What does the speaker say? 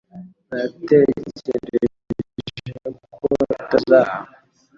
Natekereje ko iyi nkweto izaramba.